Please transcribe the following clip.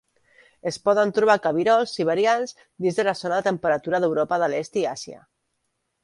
Es poden trobar cabirols siberians dins de la zona de temperatura d'Europa de l'Est i Àsia.